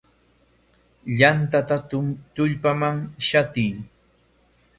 Yantata tullpaman shatiy.